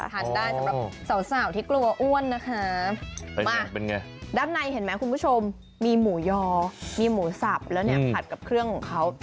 ทานได้สำหรับสาวที่กลัวอ้วนนะคะมาเป็นไงด้านในเห็นไหมคุณผู้ชมมีหมูยอมีหมูสับแล้วเนี่ยผัดกับเครื่องของเขา